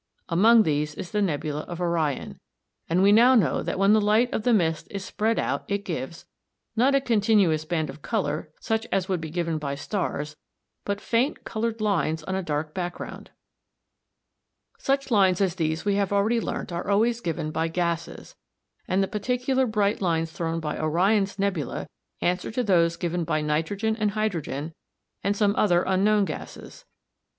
Among these is the nebula of Orion, and we now know that when the light of the mist is spread out it gives, not a continuous band of colour such as would be given by stars, but faint coloured lines on a dark ground (see Fig. 57). Such lines as these we have already learnt are always given by gases, and the particular bright lines thrown by Orion's nebula answer to those given by nitrogen and hydrogen, and some other unknown gases.